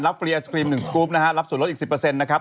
เฟรียศครีม๑สกรูปนะฮะรับส่วนลดอีก๑๐นะครับ